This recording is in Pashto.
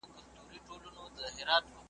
د غوايی سترګي که خلاصي وي نو څه دي `